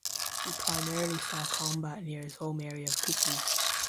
He primarily saw combat near his home area of Kupres.